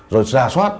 rồi ra soát